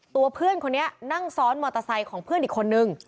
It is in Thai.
ตัวเพื่อนคนนี้นั่งซ้อนมอเตอร์ไซค์ของเพื่อนอีกคนนึง